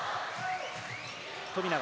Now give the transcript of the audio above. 富永。